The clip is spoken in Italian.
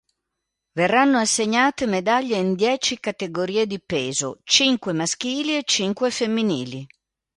Verranno assegnate medaglie in dieci categorie di peso: cinque maschili e cinque femminili.